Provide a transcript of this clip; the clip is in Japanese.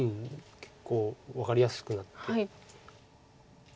結構分かりやすくなって。